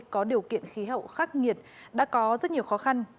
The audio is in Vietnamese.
có điều kiện khí hậu khắc nghiệt đã có rất nhiều khó khăn